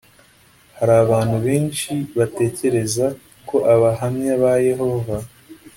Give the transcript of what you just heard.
Hari abantu benshi batekereza ko Abahamya ba Yehova